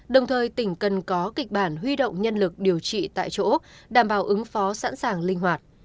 đồng thời tỉnh cần có kịch bản huy động nhân lực điều trị tại chỗ đảm bảo ứng phó sẵn sàng linh hoạt